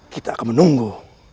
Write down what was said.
kita akan menunggu